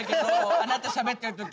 あなたしゃべってるとき。